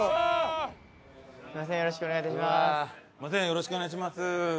よろしくお願いします。